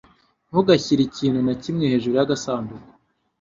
Ntugashyire ikintu na kimwe hejuru yagasanduku